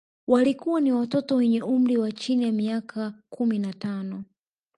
Walikuwa ni watoto wenye umri wa chini ya miaka kumi na tano